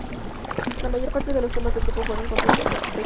La mayor parte de los temas del grupo fueron compuestos por ellos dos.